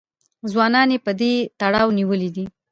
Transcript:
ځوانان یې په دې تړاو نیولي دي